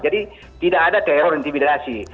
jadi tidak ada teror intimidasi